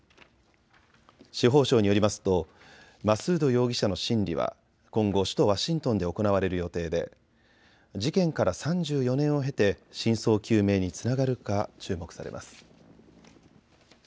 司法省によりますとマスード容疑者の審理は今後、首都ワシントンで行われる予定で事件から３４年を経て真相究明につながるか注目されます。